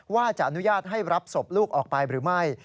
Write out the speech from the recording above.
ว่าจะอนุญาตให้รับศพลูกออกไปหรือไม่